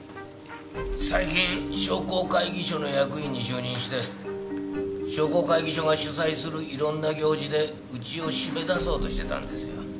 最近商工会議所の役員に就任して商工会議所が主催する色んな行事でうちを締め出そうとしてたんですよ。